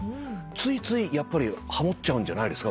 ついついハモっちゃうんじゃないですか？